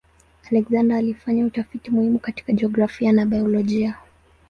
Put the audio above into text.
Alexander alifanya utafiti muhimu katika jiografia na biolojia.